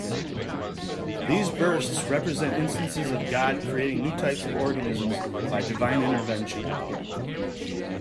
These bursts represent instances of God creating new types of organisms by divine intervention.